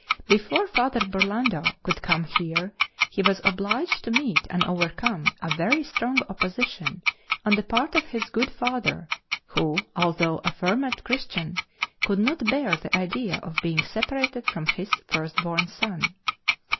Before Father Burlando could come here he was obliged to meet and overcome a very strong opposition on the part of his good father, who, although a fervent Christian, could not bear the idea of being separated from his first born son.